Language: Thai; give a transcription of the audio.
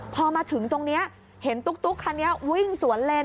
พอมาถึงตรงนี้เห็นตุ๊กคันนี้วิ่งสวนเลน